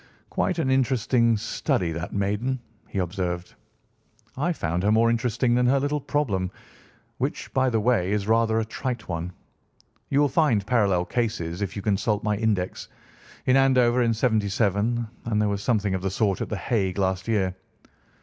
"Quite an interesting study, that maiden," he observed. "I found her more interesting than her little problem, which, by the way, is rather a trite one. You will find parallel cases, if you consult my index, in Andover in '77, and there was something of the sort at The Hague last year.